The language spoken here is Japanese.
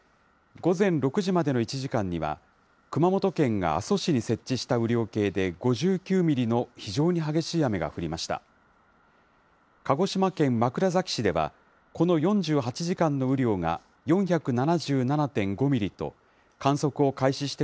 午前６時までの１時間には、熊本県が阿蘇市に設置した雨量計で５９ミリの非常に激しい雨が降りました。